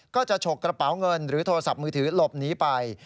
ฉกกระเป๋าเงินหรือโทรศัพท์มือถือหลบหนีไป